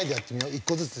１個ずつ。